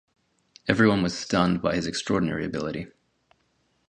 Everyone was stunned by his extraordinary ability.